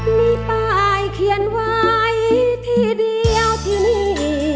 มีป้ายเขียนไว้ที่เดียวที่นี่